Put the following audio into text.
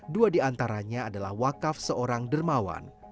dua diantaranya adalah wakaf seorang dermawan